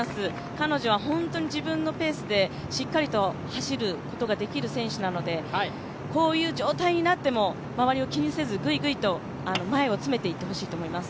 彼女は本当に自分のペースで走ることができる選手なのでこういう状態になっても周りを気にせず前を詰めていってほしいと思います。